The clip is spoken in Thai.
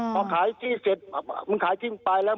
พอขายที่เสร็จบอกว่ามึงขายที่หนึ่งไปแล้ว